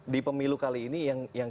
di pemilu kali ini yang